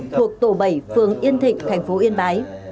thuộc tổ bảy phường yên thịnh tp yên bái